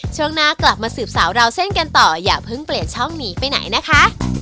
ช่วงหน้ากลับมาสืบสาวราวเส้นกันต่ออย่าเพิ่งเปลี่ยนช่องหนีไปไหนนะคะ